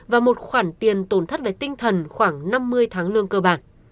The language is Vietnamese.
và một khoản tiền tổn thất về tinh thần khoảng năm mươi tháng lương cơ bản